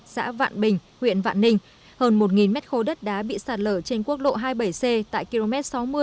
xã vạn bình huyện vạn ninh hơn một mét khối đất đã bị sạt lở trên quốc lộ hai mươi bảy c tại km sáu mươi năm trăm chín mươi